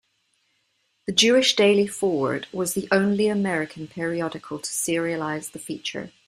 "The Jewish Daily Forward" was the only American periodical to serialize the feature.